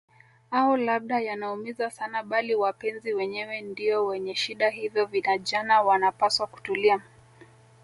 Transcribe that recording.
au labda yanaumiza sana bali wapenzi wenyewe ndio wenye shida hivyo vinajana wanapaswa kutulia